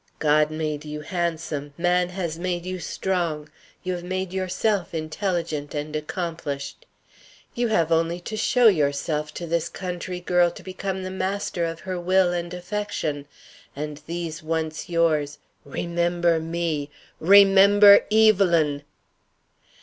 God made you handsome; man has made you strong; you have made yourself intelligent and accomplished. You have only to show yourself to this country girl to become the master of her will and affection, and these once yours, remember me! _Remember Evelyn!